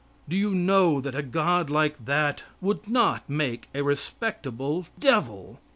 Do you know that a God like that would not make a respectable devil?